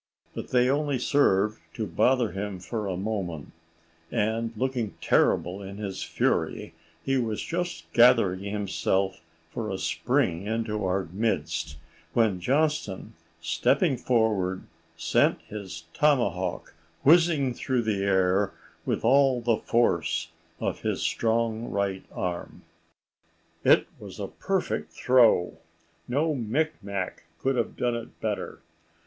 But they only served to bother him for a moment, and looking terrible in his fury, he was just gathering himself for a spring into our midst, when Johnston, stepping forward, sent his tomahawk whizzing through the air with all the force of his strong right arm. [Illustration: "JOHNSTON SENT HIS TOMAHAWK WHIZZING THROUGH THE AIR."] It was a perfect throw. No Mic Mac could have done it better.